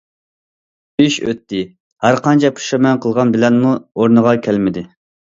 ئىش ئۆتتى، ھەر قانچە پۇشايمان قىلغان بىلەنمۇ ئورنىغا كەلمىدى.